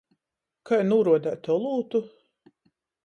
Kai nūruodeit olūtu?